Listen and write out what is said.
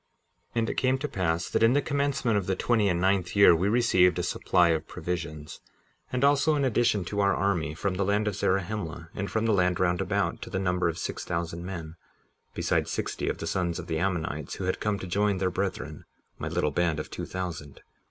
57:6 And it came to pass that in the commencement of the twenty and ninth year, we received a supply of provisions, and also an addition to our army, from the land of Zarahemla, and from the land round about, to the number of six thousand men, besides sixty of the sons of the Ammonites who had come to join their brethren, my little band of two thousand.